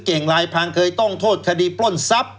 ลายพังเคยต้องโทษคดีปล้นทรัพย์